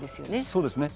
そうですね。